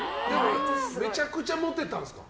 めちゃくちゃモテたんですか。